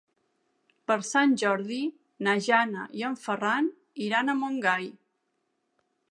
Per Sant Jordi na Jana i en Ferran iran a Montgai.